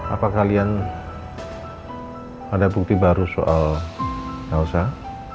apa kalian ada bukti baru soal nausa